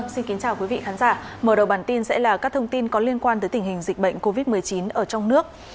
xin kính chào quý vị khán giả mở đầu bản tin sẽ là các thông tin có liên quan tới tình hình dịch bệnh covid một mươi chín ở trong nước